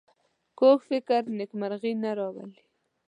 کوږ فکر نېکمرغي نه راولي